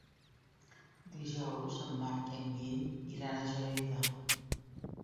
Dijous en Marc i en Guim iran a Gelida.